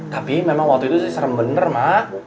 tapi memang waktu itu sih serem benar mak